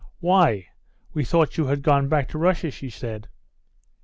"Why, we thought you had gone back to Russia," she said.